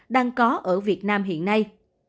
đang có ở việt nam hiện nay